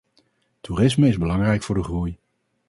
Toerisme is belangrijk voor de groei.